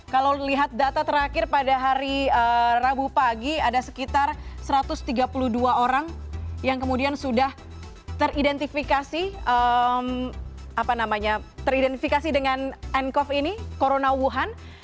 kalau lihat data terakhir pada hari rabu pagi ada sekitar satu ratus tiga puluh dua orang yang kemudian sudah teridentifikasi teridentifikasi dengan ncov ini corona wuhan